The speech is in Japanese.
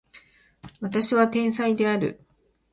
私は天才である